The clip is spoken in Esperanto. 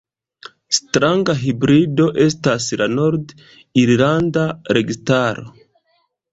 Stranga hibrido estas la nord-irlanda registaro.